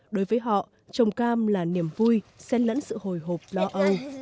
đối với họ trồng cam là niềm vui sen lẫn sự hồi hộp lo âu